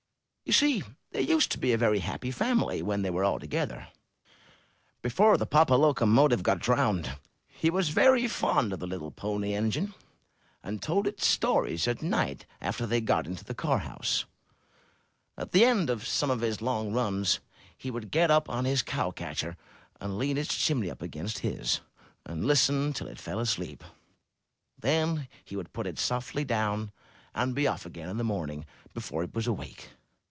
You see they used to be a very happy family when they were all together, before the papa loco motive got drowned. He was very fond of the little Pony Engine, and told it stories at night after they got into the car house, at the end of some of his long runs. It would get up on his cow catcher, and lean its chimney up against his, and listen till it fell asleep. Then he would put it softly down, and be off again in the morning before it was awake.